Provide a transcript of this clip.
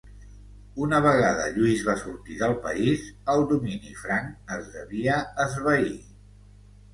Una vegada Lluís va sortir del país, el domini franc es devia esvair.